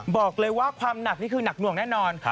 บอกเลยว่าความหนักนี่คือหนักหน่วงแน่นอน